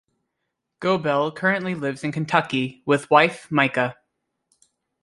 Goebel currently lives in Kentucky, with wife Micah.